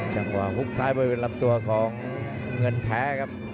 จังหวังฮุกซ้ายเป็นลำตัวของเงินแพ้ครับ